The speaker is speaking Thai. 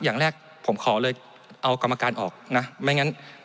อย่างแรกผมขอเลยเอากรรมการออกนะ